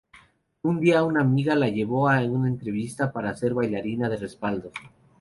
Un día una amiga la llevó a una entrevista para ser bailarina de respaldo.